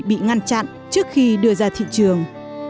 bị ngăn chặn trước khi đưa ra thị trường